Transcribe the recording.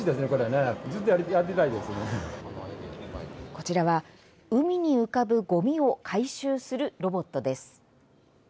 こちらは海に浮かぶごみを回収するロボットです。